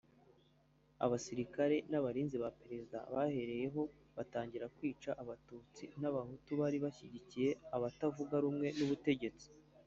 abasirikare n’abarinzi ba Perezida bahereyeho batangira kwica abatutsi n’abahutu bari bashyigikiye abatavuga rumwe n’ubutegetsi